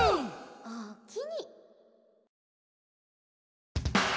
「おおきに」